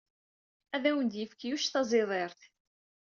Ad awen-d-yefk Yuc taẓidirt.